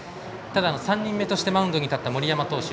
ただ、３人目としてマウンドに立った森山投手